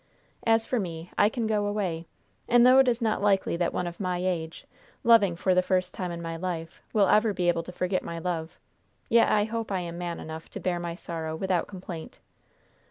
As for me, I can go away; and though it is not likely that one of my age, loving for the first time in my life, will ever be able to forget my love, yet I hope I am man enough to bear my sorrow without complaint.